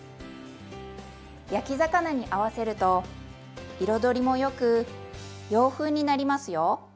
焼き魚に合わせると彩りもよく洋風になりますよ。